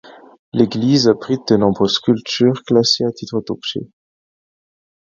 L'église abrite de nombreuses sculptures classées à titre d'objets..